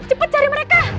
cepat cari mereka